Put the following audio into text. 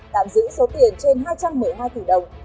tạm giữ số tiền trên hai trăm một mươi hai tỷ đồng